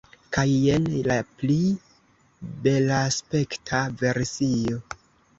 Kaj jen la pli belaspekta versio